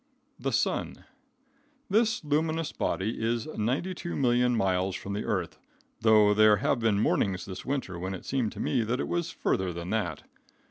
THE SUN. This luminous body is 92,000,000 miles from the earth, though there have been mornings this winter when it seemed to me that it was further than that.